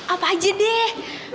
apa aja deh